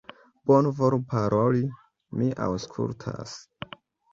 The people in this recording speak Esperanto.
Bonvolu paroli, mi aŭskultas!